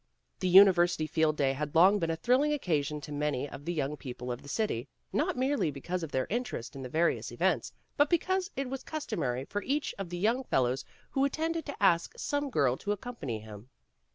The University Field Day had long been a thrilling occasion to AN AFTERNOON CALL 61 many of the young people of the city, not merely because of their interest in the various events, but because it was customary for each of the young fellows who attended to ask some girl to accompany him.